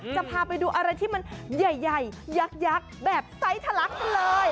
จะพาไปดูอะไรที่มันใหญ่ยักษ์แบบไซส์ทะลักกันเลย